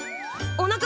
おなか？